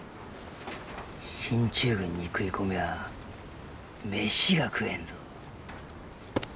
進駐軍に食い込みゃ飯が食えるぞ。